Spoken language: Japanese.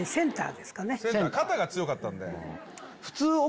肩が強かったんで。